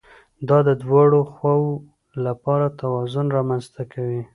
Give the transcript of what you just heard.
دا د دواړو خواوو لپاره توازن رامنځته کوي